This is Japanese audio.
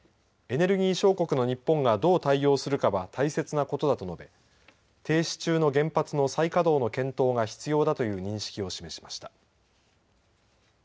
エネルギー小国の日本がどう対応するかは大切なことだと述べ停止中の原発の再稼働の検討が必要だという認識を示しました。